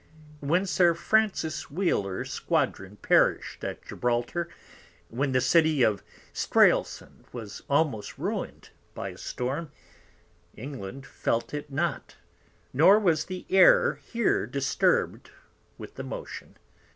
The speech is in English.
When Sir Francis Wheeler's Squadron perish'd at Gibralter, when the City of Straelsond was almost ruin'd by a Storm, England felt it not, nor was the Air here disturb'd with the Motion.